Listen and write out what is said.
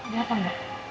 dia apa enggak